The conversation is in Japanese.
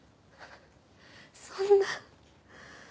そんな。